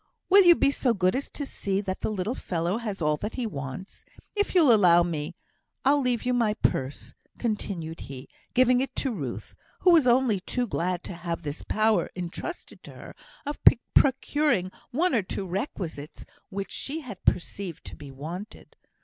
Will you be so good as to see that the little fellow has all that he wants? If you'll allow me, I'll leave you my purse," continued he, giving it to Ruth, who was only too glad to have this power entrusted to her of procuring one or two requisites which she had perceived to be wanted.